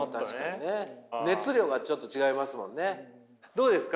どうですか？